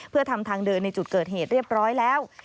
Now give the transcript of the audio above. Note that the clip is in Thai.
เพื่อทำทางเดินในจุดเกิดเหตุเรียบร้อยแล้ว